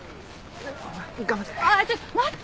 頑張って。